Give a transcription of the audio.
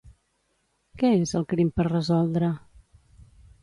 Què és el Crim per resoldre?